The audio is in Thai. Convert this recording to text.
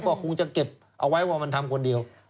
ก็คงจะเก็บเอาไว้ว่ามันทำคนเดียว